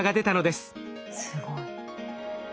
すごい。